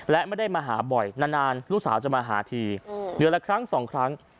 และไม่ได้มาหาบ่อยนานลูกสาวจะมาหาทีเดือนละครั้งสองครั้ง